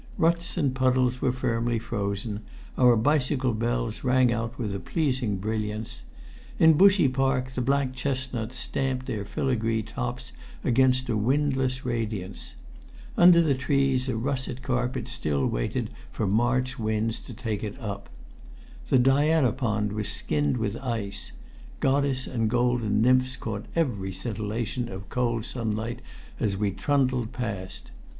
Ruts and puddles were firmly frozen; our bicycle bells rang out with a pleasing brilliance. In Bushey Park the black chestnuts stamped their filigree tops against a windless radiance. Under the trees a russet carpet still waited for March winds to take it up. The Diana pond was skinned with ice; goddess and golden nymphs caught every scintillation of cold sunlight as we trundled past.